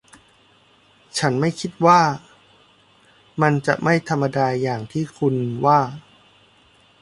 ฉันไม่คิดว่า มันจะไม่ธรรมดาอย่างที่คุณว่า